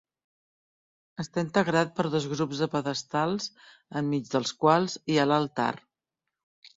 Està integrat per dos grups de pedestals enmig dels quals hi ha l'altar.